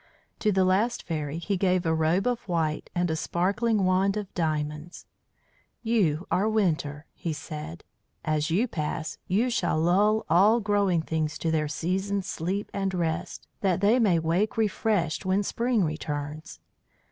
To the last fairy he gave a robe of white and a sparkling wand of diamonds. "You are Winter," he said. "As you pass, you shall lull all growing things to their season's sleep and rest, that they may wake refreshed when Spring returns.